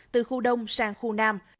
từ khu đông sang khu nam